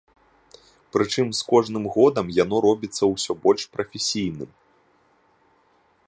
Прычым з кожным годам яно робіцца ўсё больш прафесійным.